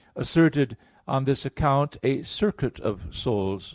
13], asserted on this account a circuit of souls viz.